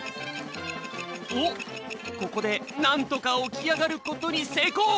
おっここでなんとか起きあがることにせいこう。